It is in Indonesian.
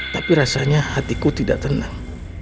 tapi rasanya hatiku tidak tenang